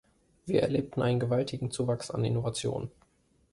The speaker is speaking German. Wir erlebten einen gewaltigen Zuwachs an Innovationen.